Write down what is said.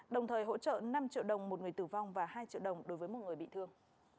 đồng thời hỗ trợ năm triệu đồng một người tử vong và hai triệu đồng đối với một người bị thương